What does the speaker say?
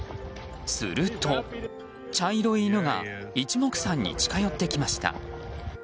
すると、茶色い犬が一目散に近寄ってきました。